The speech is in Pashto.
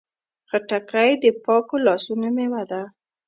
خټکی د پاکو لاسونو میوه ده.